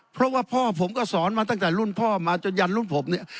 เพราะว่าพ่อผมก็สอนมาตั้งแต่รุ่นพ่อมาจนยันรุ่นผมเนี่ย